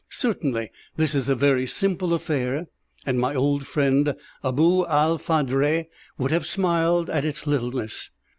Certainly this is a very simple affair, and my old friend Abou al Phadre would have smiled at its littleness.